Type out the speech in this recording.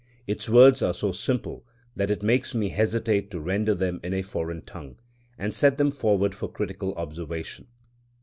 Its words are so simple that it makes me hesitate to render them in a foreign tongue, and set them forward for critical observation.